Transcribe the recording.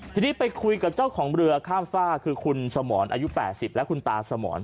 ทีนี้ไปคุยกับเจ้าของเรือข้ามฝ้าคือคุณสมรอายุ๘๐และคุณตาสมร